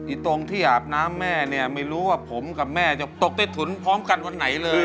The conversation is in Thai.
ตรงที่อาบน้ำแม่เนี่ยไม่รู้ว่าผมกับแม่จะตกใต้ถุนพร้อมกันวันไหนเลย